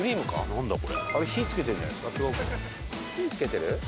火つけてる？